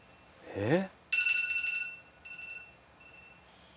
えっ？